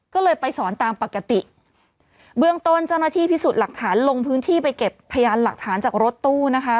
ก็เลยไปสอนตามปกติเบื้องต้นเจ้าหน้าที่พิสูจน์หลักฐานลงพื้นที่ไปเก็บพยานหลักฐานจากรถตู้นะคะ